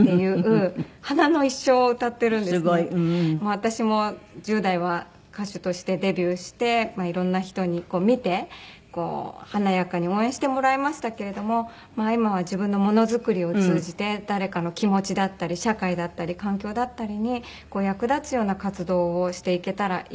私も１０代は歌手としてデビューしていろんな人に見て華やかに応援してもらいましたけれども今は自分のものづくりを通じて誰かの気持ちだったり社会だったり環境だったりに役立つような活動をしていけたらいいなっていう。